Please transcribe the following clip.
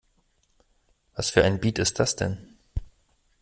Was für ein Beat ist das denn?